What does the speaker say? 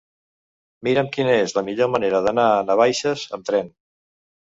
Mira'm quina és la millor manera d'anar a Navaixes amb tren.